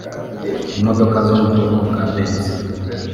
imodoka zo mu bwoko bwa Benz